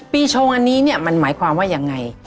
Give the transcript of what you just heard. ชงอันนี้เนี่ยมันหมายความว่ายังไง